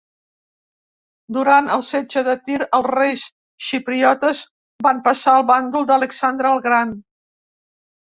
Durant el Setge de Tir, els reis xipriotes van passar al bàndol d'Alexandre el Gran.